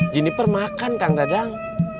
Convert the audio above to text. jeniper makan kang dadang